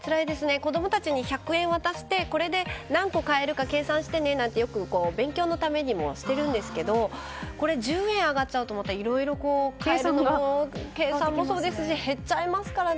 子供たちに１００円渡してこれで何個買えるか計算してねとか勉強のためにもしてるんですがこれ、１０円上がっちゃうとまたいろいろ、計算もそうですし減っちゃいますからね。